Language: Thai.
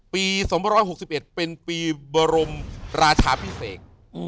ปี๒๖๑เป็นปีบรมราชาพิเศษ